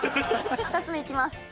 ２つ目いきます。